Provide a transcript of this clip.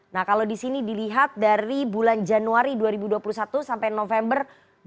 nah kalau di sini dilihat dari bulan januari dua ribu dua puluh satu sampai november dua ribu dua puluh